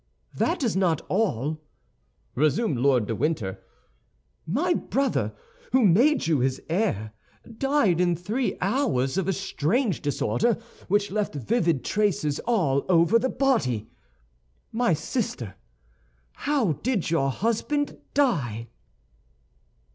"That is not all," resumed Lord de Winter. "My brother, who made you his heir, died in three hours of a strange disorder which left livid traces all over the body. My sister, how did your husband die?"